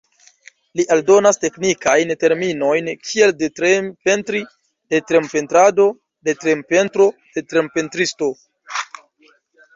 Li aldonas teknikajn terminojn kiel detrem-pentri, detrem-pentrado, detrem-pentro, detrem-pentristo.